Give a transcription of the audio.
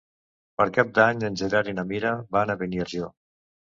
Per Cap d'Any en Gerard i na Mira van a Beniarjó.